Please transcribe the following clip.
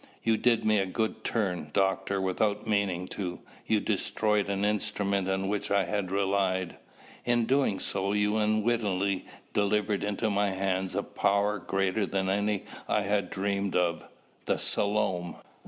You did me a good turn, Doctor, without meaning to. You destroyed an instrument on which I had relied. In doing so, you unwittingly delivered into my hands a power greater than any I had dreamed of the Selom."